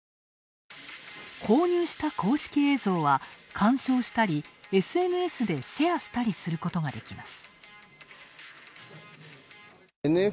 購入した公式映像は、鑑賞したりＳＮＳでシェアしたりすることができます。